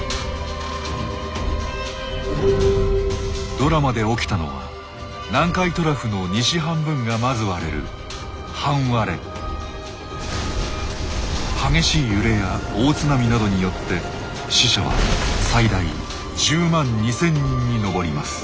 ドラマで起きたのは南海トラフの西半分がまず割れる激しい揺れや大津波などによって死者は最大１０万２，０００人に上ります。